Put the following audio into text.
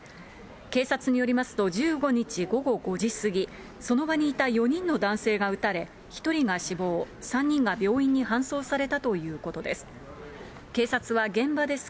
警察によりますと、１５日午後５時過ぎ、その場にいた４人の男性が撃たれ、１人が死亡、３人が病院に搬送されたということです。